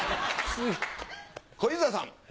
小遊三さん。